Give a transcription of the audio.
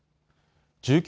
１９